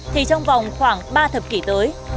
thì trong vòng khoảng ba thập kỷ tới